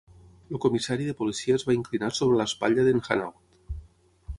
El comissari de policia es va inclinar sobre l'espatlla d'en Hanaud.